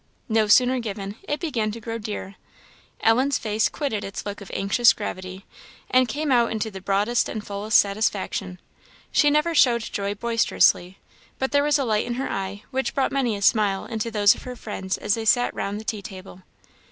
No sooner given, it began to grow dear. Ellen's face quitted its look of anxious gravity, and came out into the broadest and fullest satisfaction. She never showed joy boisterously; but there was a light in her eye which brought many a smile into those of her friends as they sat round the tea table.